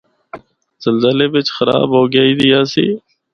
زلزلے بچ خراب ہو گئی دی آسی۔